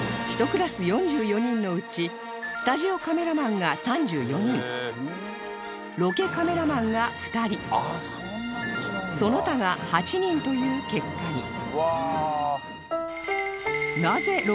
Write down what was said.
１クラス４４人のうちスタジオカメラマンが３４人ロケカメラマンが２人その他が８人という結果に